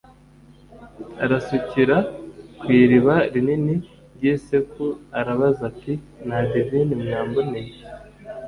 arasukira ku iriba rinini ryi Seku arabaza ati nta divine mwamboneye